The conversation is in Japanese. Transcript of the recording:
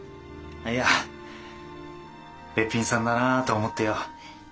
いやべっぴんさんだなと思ってよ。